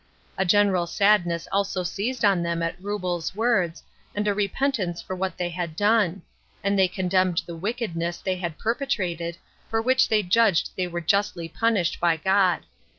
A general sadness also seized on them at Reubel's words, and a repentance for what they had done; and they condemned the wickedness they had perpetrated, for which they judged they were justly punished by God.